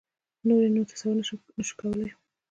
نور یې نو تصور نه شو کولای.